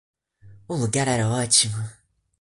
O lugar era ótimo.